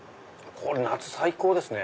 これ夏最高ですね！